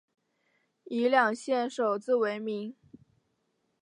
以两县首字为名。